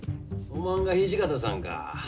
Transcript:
おまんが土方さんか。